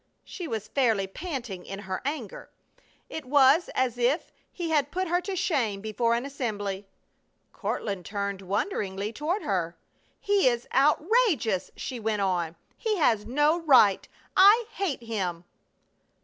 She was fairly panting in her anger. It was as if he had put her to shame before an assembly. Courtland turned wonderingly toward her. "He is outrageous!" she went on. "He has no right! I hate him!"